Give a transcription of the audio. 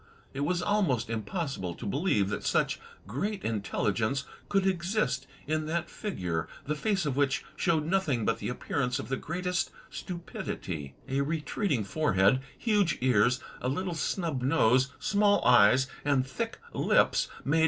It was almost impossible to believe that such great intelligence could exist in that figure, the face of which showed nothing but the appearance of the greatest stupidity; a retreating forehead, huge ears, a little snub nose, small eyes, and thick lips, made M.